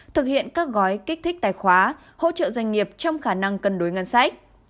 thực hiện các gói kích thích tài khoá hỗ trợ doanh nghiệp trong khả năng cân đối ngân sách